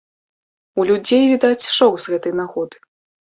У людзей, відаць, шок з гэтай нагоды.